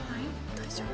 大丈夫？